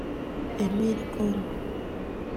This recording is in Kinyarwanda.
Emile Koné